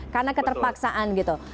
karena keterpaksaan gitu